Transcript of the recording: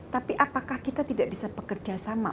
tapi apakah kita tidak bisa bekerjasama